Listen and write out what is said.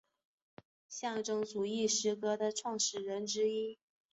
象征主义诗歌的创始人之一。